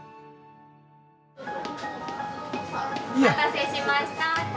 お待たせしました。